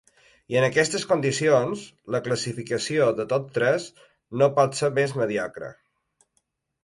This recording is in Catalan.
I, en aquestes condicions, la classificació de tots tres no pot ser més mediocre.